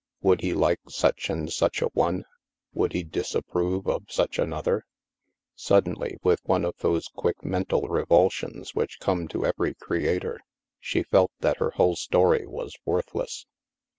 Would he like such and such a one? Would he disapprove of such another ? Suddenly, with one of those quick mental revul sions which come to every creator, she felt that her whole story was worthless.